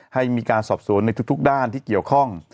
ให้มีการสอบสวนในทุกด้านที่เกี่ยวข้อง